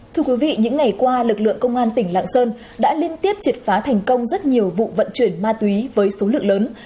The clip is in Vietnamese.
thưa quý vị những ngày qua lực lượng công an tỉnh lạng sơn đã liên tiếp triệt phá thành công rất nhiều vụ vận chuyển ma túy với số lượng lớn